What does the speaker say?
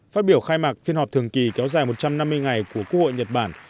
phát biểu khai mạc phiên họp thường kỳ kéo dài một trăm năm mươi ngày của quốc hội nhật bản